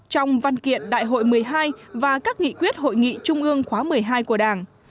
trong văn kiện đại hội một mươi hai và các nghị quyết hội nghị trung ương khóa một mươi hai của đảng